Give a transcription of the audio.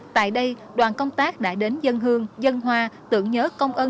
tại đây đoàn công tác đã đến dân hương dân hoa tưởng nhớ công ơn